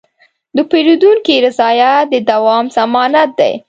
د پیرودونکي رضایت د دوام ضمانت دی.